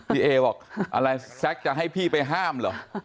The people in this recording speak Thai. พี่เอบอกอะไรแซ็กจะให้พี่ไปห้ามเหรอ